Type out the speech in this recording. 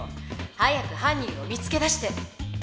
早くはん人を見つけだして！